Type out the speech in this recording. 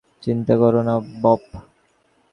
চিন্তা করো না, বব।